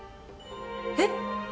えっ！？